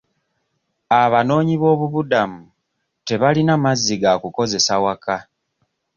Abanoonyi b'obubuddamu tebalina mazzi ga kukozesa waka.